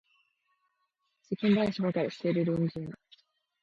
世間話ばかりしている隣人